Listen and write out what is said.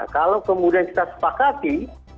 kalau kemudian kita sepakati